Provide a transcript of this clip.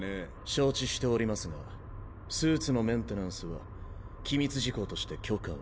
承知しておりますがスーツのメンテナンスは機密事項として許可を。